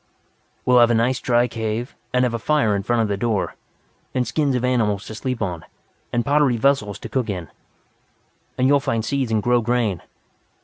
"We'll find a nice dry cave, and have a fire in front of the door. And skins of animals to sleep on. And pottery vessels to cook in. And you will find seeds and grown grain."